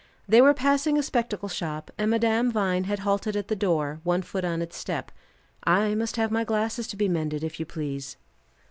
They were passing a spectacle shop, and Madame Vine had halted at the door, one foot on its step. "I must have my glasses to be mended, if you please."